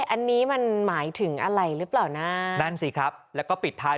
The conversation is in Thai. อันนี้มันหมายถึงอะไรหรือเปล่านะนั่นสิครับแล้วก็ปิดท้าย